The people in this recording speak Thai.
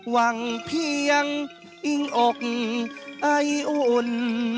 วางเพียงอิงอกไออ่อน